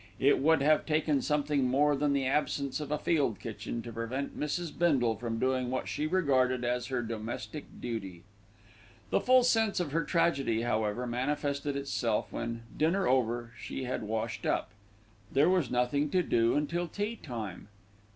It would have taken something more than the absence of a field kitchen to prevent Mrs. Bindle from doing what she regarded as her domestic duty. The full sense of her tragedy, however, manifested itself when, dinner over, she had washed up. There was nothing to do until tea time.